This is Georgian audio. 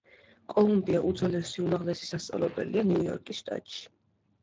კოლუმბია უძველესი უმაღლესი სასწავლებელია ნიუ-იორკის შტატში.